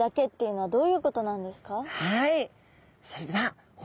はい。